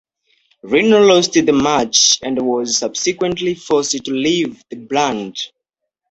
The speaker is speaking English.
Rhyno lost the match and was subsequently forced to leave the brand.